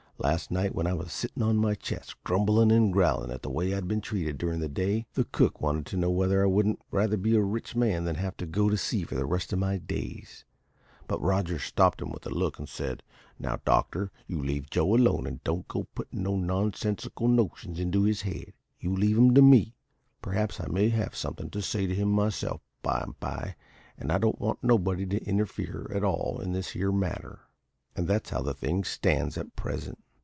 Last night, when I was sittin' on my chest, grumblin' and growlin' at the way I'd been treated durin' the day," here Joe laughed softly as the peculiar humour of the situation seemed to present itself to him "the cook wanted to know whether I wouldn't rather be a rich man than have to go to sea for the rest of my days; but Rogers stopped him with a look, and said, `Now, doctor, you leave Joe alone, and don't go puttin' no nonsensical notions into his head. You leave him to me; perhaps I may have somethin' to say to him myself by and by, and I don't want nobody to interfere at all in this here matter.' And that's how the thing stands at present."